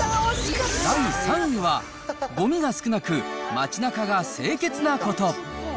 第３位はごみが少なく、街なかが清潔なこと。